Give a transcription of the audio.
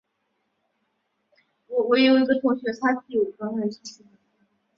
而比较主义者则强调神话之间的相似之处。